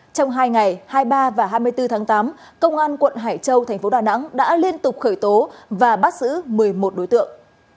trong hai ngày hai mươi ba và hai mươi bốn tháng tám công an quận hải châu thành phố đà nẵng đã liên tục khởi tố và bắt giữ một mươi một đối tượng